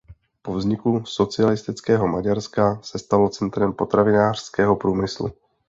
Po vzniku socialistického Maďarska se stalo centrem potravinářského průmyslu.